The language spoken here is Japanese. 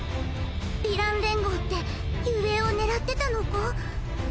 ヴィラン連合って雄英を狙ってたノコ？